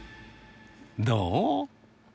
どう？